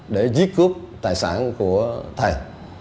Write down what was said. để giết cướp tài sản của thầy